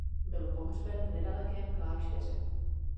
Byl pohřben v nedalekém klášteře.